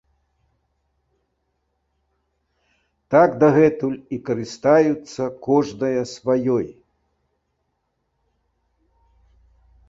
Так дагэтуль і карыстаюцца кожная сваёй.